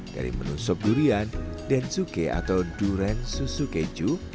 dari menu sop durian densuke atau durian susu keju